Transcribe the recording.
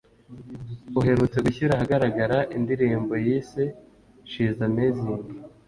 uherutse gushyira ahagaragara indirimbo yise She is Amazing